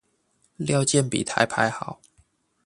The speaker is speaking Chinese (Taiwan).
料件比台牌好